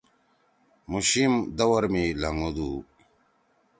مُوشیم دور می لھنگوُدُو۔